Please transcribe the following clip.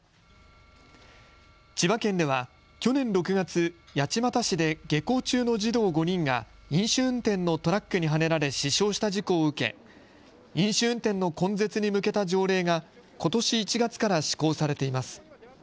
千葉県では去年６月、八街市で下校中の児童５人が飲酒運転のトラックにはねられ死傷した事故を受け飲酒運転の根絶に向けた条例がことし１月から施行されています。